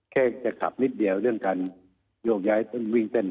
แค่จะขับนิดเดียวเรื่องการโยกย้ายต้องวิ่งเต้น